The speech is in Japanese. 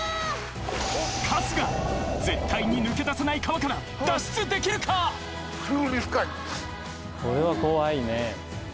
春日、絶対に抜け出せない川からこれは怖いね。